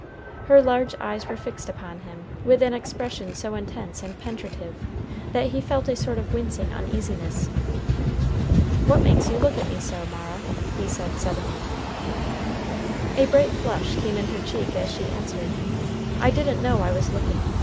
Her large eyes were fixed upon him with an expression so intense and penetrative, that he felt a sort of wincing uneasiness. "What makes you look at me so, Mara?" he said, suddenly. A bright flush came in her cheek as she answered, "I didn't know I was looking.